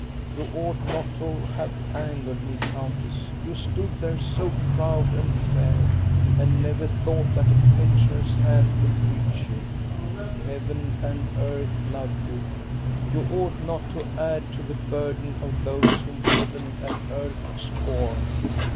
You ought not to have angered me, countess. You stood there so THE YOUNG ' COUNTESS 1 89 proud and fair, and never thought that a pensioner's hand could reach you. Heaven and earth love you. You ought not to add to the burden of those whom heaven and earth scorn."